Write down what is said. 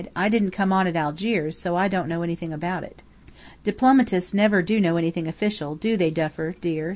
"I didn't come on at Algiers, so I don't know anything about it." "Diplomatists never do know anything official, do they, Duffer dear?"